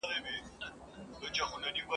هغه د یوه پاسته غړي